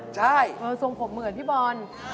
ใช่ทรงผมเหมือนพี่บอล